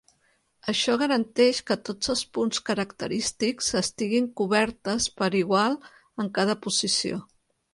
Això garanteix que tots els punts característics estiguin cobertes per igual en cada posició.